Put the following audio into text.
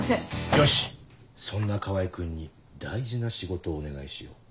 よしそんな川合君に大事な仕事をお願いしよう。